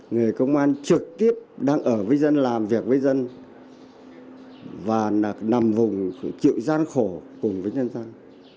người công an trực tiếp đang ở với dân làm việc với dân và nằm vùng chịu gian khổ cùng với nhân dân